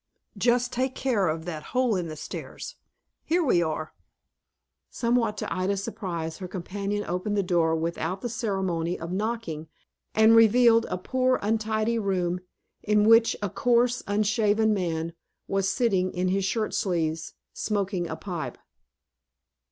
"Just take care of. that hole in the stairs. Here we are." Somewhat to Ida's surprise, her companion opened the door without the ceremony of knocking, and revealed a poor untidy room, in which a coarse, unshaven man, was sitting in his shirt sleeves, smoking a pipe.